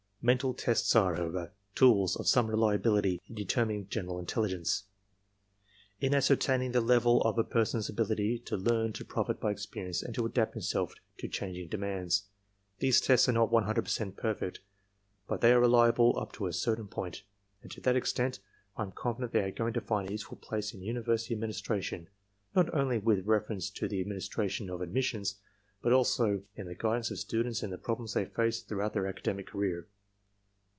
"Mental tests are, however, tools of some reliability in deter ^r mining general intelligence, in ascertaining the level of a per son's ability to learn to profit by experience and to adapt himself to changing demands. These tests are not 100% perfect, but they are reliable up to a certain point; and to that extent I am , confident they are going to find a useful place in university administration, not only with reference to the administration of admissions, but also in the guidance of students in the problems they face throughout their academic career.